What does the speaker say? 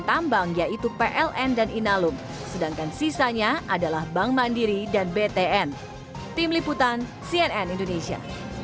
tambang yaitu pln dan inalum sedangkan sisanya adalah bank mandiri dan btn tim liputan cnn indonesia